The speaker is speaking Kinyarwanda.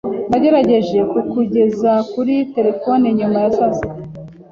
Nagerageje kukugeza kuri terefone nyuma ya saa sita.